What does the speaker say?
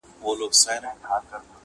د مرګي هسي نوم بدنام دی-